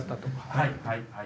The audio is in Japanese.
はい。